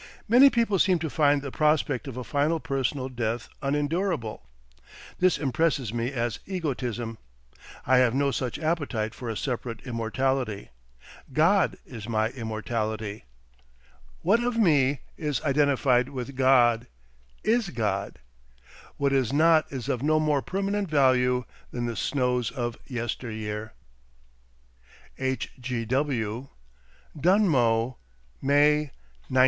Many people seem to find the prospect of a final personal death unendurable. This impresses me as egotism. I have no such appetite for a separate immortality. God is my immortality; what, of me, is identified with God, is God; what is not is of no more permanent value than the snows of yester year. H. G. W. Dunmow, May, 1917.